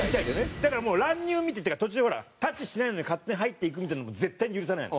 だからもう乱入途中でほらタッチしてないのに勝手に入っていくみたいなのも絶対に許さないの。